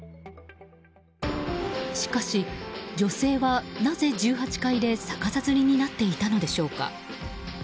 しかし、女性はなぜ１８階で逆さづりになっていたのでしょうか。